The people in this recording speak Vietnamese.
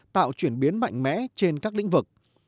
tạo chuyển biến mạnh mẽ trên các lĩnh vực